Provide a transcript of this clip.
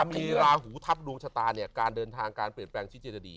มีราหูทับดวงชะตาเนี่ยการเดินทางการเปลี่ยนแปลงชิเจดี